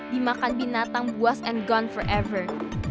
dimakan binatang buas and gone forever